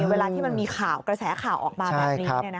เวลาที่มันมีข่าวกระแสข่าวออกมาแบบนี้